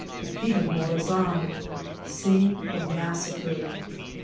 — Defeat of Morazan. — Scene of Massacre.